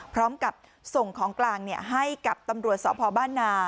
พร้อมกับส่งของกลางให้กับตำรวจสพบ้านนา